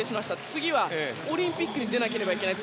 次はオリンピックに出なければいけない。